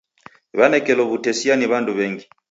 Wanekelo w'utesia ni w'andu w'engi.